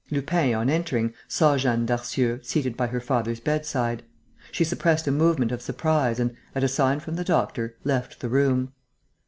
Lupin, on entering, saw Jeanne Darcieux seated by her father's bedside. She suppressed a movement of surprise and, at a sign from the doctor, left the room.